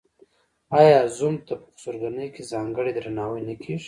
آیا زوم ته په خسرګنۍ کې ځانګړی درناوی نه کیږي؟